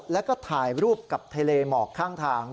แล้วก็ถ่ายรูปกับทะเลหมอกข้างทาง